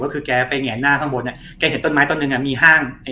ก็คือแกไปแหงหน้าข้างบนอ่ะแกเห็นต้นไม้ต้นหนึ่งอ่ะมีห้าง